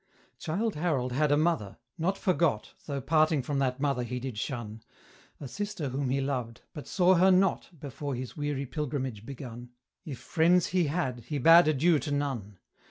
Childe Harold had a mother not forgot, Though parting from that mother he did shun; A sister whom he loved, but saw her not Before his weary pilgrimage begun: If friends he had, he bade adieu to none.